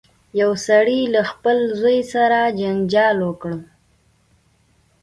یو سړي له خپل زوی سره جنجال وکړ.